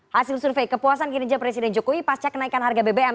hasil survei kepuasan kinerja presiden jokowi pasca kenaikan harga bbm